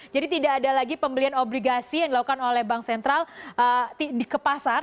jadi tidak ada lagi pembelian obligasi yang dilakukan oleh bank sentral ke pasar